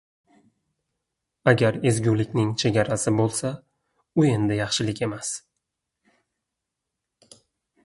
• Agar ezgulikning chegarasi bo‘lsa, u endi yaxshilik emas.